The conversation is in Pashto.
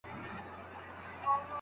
د تفسير علم د قدر وړ دی.